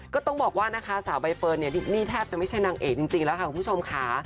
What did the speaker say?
ก็ต้องบอกว่านะคะสาวใบเฟิร์นเนี่ยนี่แทบจะไม่ใช่นางเอกจริงแล้วค่ะคุณผู้ชมค่ะ